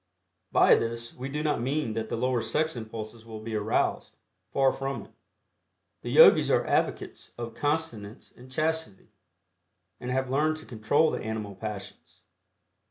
By this, we do not mean that the lower sex impulses will be aroused; far from it. The Yogis are advocates of continence and chastity, and have learned to control the animal passions.